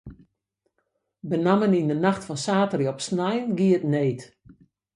Benammen yn de nacht fan saterdei op snein gie it need.